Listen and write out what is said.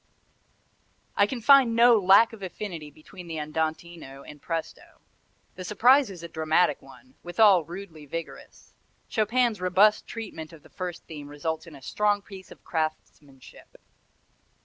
I can find "no lack of affinity" between the andantino and presto. The surprise is a dramatic one, withal rudely vigorous. Chopin's robust treatment of the first theme results in a strong piece of craftmanship.